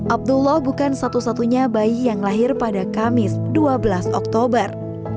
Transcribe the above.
abdullah bukan satu satunya bayi yang lahir pada kamis dua belas oktober